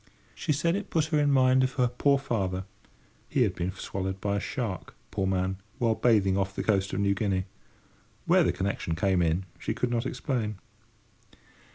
She said it put her in mind of her poor father (he had been swallowed by a shark, poor man, while bathing off the coast of New Guinea—where the connection came in, she could not explain).